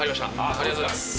ありがとうございます。